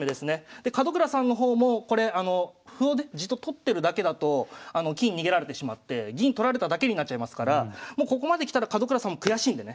で門倉さんの方も歩をねじっと取ってるだけだと金逃げられてしまって銀取られただけになっちゃいますからもうここまで来たら門倉さんも悔しいんでね